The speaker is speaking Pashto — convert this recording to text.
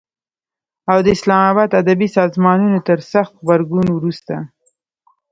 او د اسلام آباد ادبي سازمانونو تر سخت غبرګون وروسته